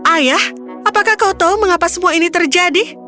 ayah apakah kau tahu mengapa semua ini terjadi